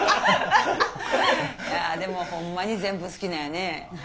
ああでもホンマに全部好きなんやね。